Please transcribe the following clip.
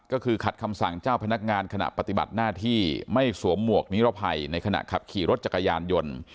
ก็คือขัดคำสั่งเจ้าพนักงานขณะปฏิบัติหน้าที่ไม่สวมหมวกนิรภัยในขณะขับขี่รถจักรยานยนต์